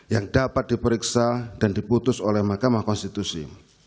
yang dapat diperiksa dan diputus oleh mahkamah konstitusi